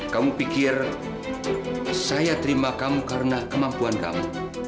kamu pikir saya terima kamu karena kemampuan kamu